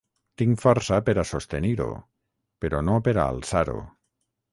Tinc força per a sostenir-ho, però no per a alçar-ho.